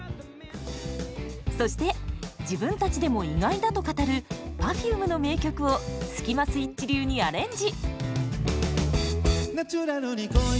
そして自分たちでも意外だと語るＰｅｒｆｕｍｅの名曲をスキマスイッチ流にアレンジ。